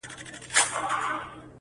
• هر لښتی يې اباسين ؤ -